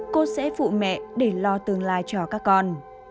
cô sẽ phụ mẹ để lo tương lai cho các con